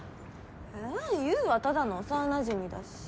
え悠はただの幼なじみだし。